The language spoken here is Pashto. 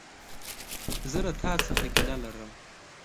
زه له تا څخه ګيله لرم!